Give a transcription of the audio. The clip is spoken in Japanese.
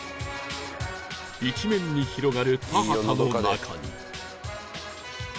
一面に広がる田畑の中に